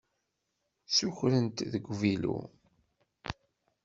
Ssukren-t deg uvilu.